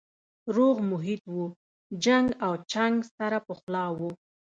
روغ محیط و جنګ او چنګ سره پخلا وو